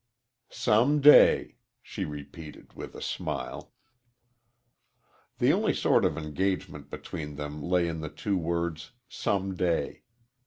"Some day," she repeated, with a smile. The only sort of engagement between them lay in the two words "some day."